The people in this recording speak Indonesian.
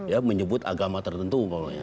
ya menyebut agama tertentu